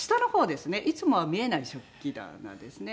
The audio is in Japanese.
いつもは見えない食器棚ですね。